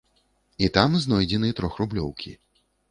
І там знойдзены трохрублёўкі.